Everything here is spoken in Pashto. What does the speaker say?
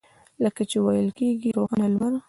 لکه چې ویل کېږي روښانه لمر.